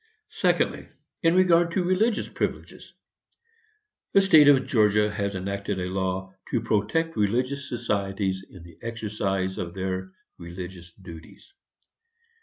Secondly. In regard to religious privileges: The State of Georgia has enacted a law, "To protect religious societies in the exercise of their religious duties."